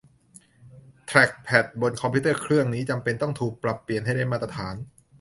แทร็คแพ็ดบนคอมพิวเตอร์เครื่องนี้จำเป็นต้องถูกปรับเปลี่ยนให้ได้มาตรฐาน